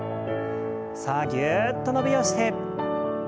さあぎゅっと伸びをして。